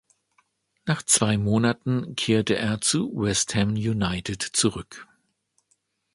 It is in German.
Nach zwei Monaten kehrte er zu West Ham United zurück.